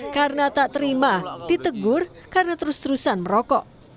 karena tak terima ditegur karena terus terusan merokok